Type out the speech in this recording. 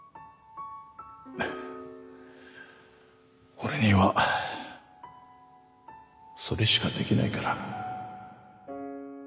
俺にはそれしかできないから。